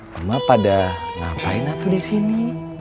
mama pada ngapain aku di sini